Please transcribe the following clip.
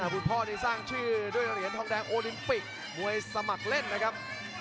คุณพ่อนี่สร้างชื่อด้วยเหรียญทองแดงโอลิมปิกมวยสมัครเล่นนะครับ